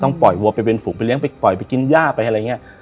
ต้องปล่อยวัวไปเป็นฝุ่งไปเลี้ยงไปปล่อยไปกินหญ้าไปอะไรเงี้ย